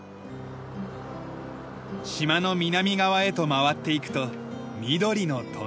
島の南側へと回っていくと緑のトンネル。